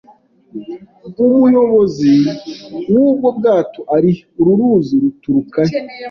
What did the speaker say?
Umuyobozi w'ubwo bwato ari he? Uru ruzi ruturuka he?